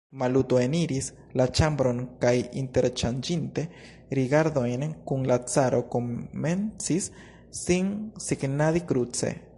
Maluto eniris la ĉambron kaj, interŝanĝinte rigardojn kun la caro, komencis sin signadi kruce.